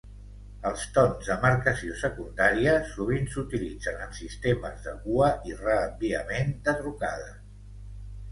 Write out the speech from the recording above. Els tons de marcació secundària sovint s'utilitzen en sistemes de cua i reenviament de trucades.